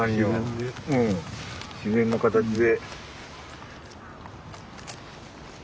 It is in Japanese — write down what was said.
自然の形で。